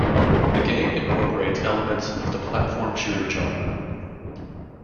The game incorporates elements of the platform shooter genre.